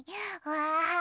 わあ！